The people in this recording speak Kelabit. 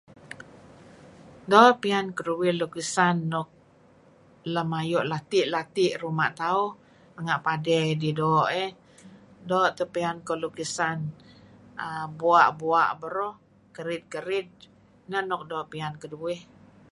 Doo' piyan keruih lukisan nuk lam ayu' lati'-lati' ngi ruma' tauh. Renga' padey doo' iih. Doo' teh pian kuh lukisan bua'-bua' beruh, kerid-kerid nah nuk doo' piyan keduih.